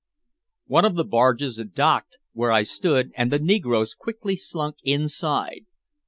One of the barges docked where I stood and the negroes quickly slunk inside.